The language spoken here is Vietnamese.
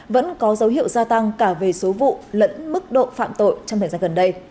vẫn có dấu hiệu gia tăng cả về số vụ lẫn mức độ phạm tội trong thời gian gần đây